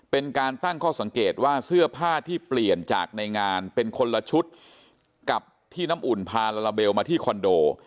เป็นการตั้งข้อสังเกตว่าเสื้อผ้าที่เปลี่ยนจากในงานเป็นคนละชุดกับที่น้ำอุ่นพาลาลาเบลมาที่คอนโด